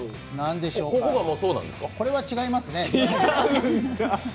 ここは違いますね。